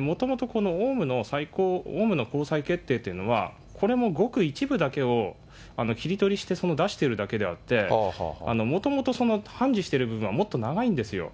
もともと、このオウムの高裁決定というのは、これもごく一部だけを切り取りして、出してるだけであって、もともと判事している部分はもっと長いんですよ。